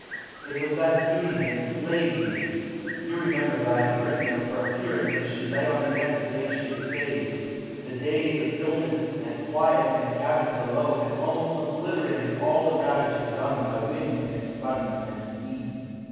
It was that beauty that enslaved me. You remember that I have written of her appearance as she lay on the deck the day she was saved. The days of illness and quiet in the cabin below had almost obliterated all the ravages done by wind and sun and sea.